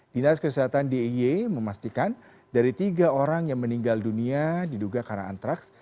dinas kesehatan dia memastikan dari tiga orang yang meninggal dunia diduga karena antraks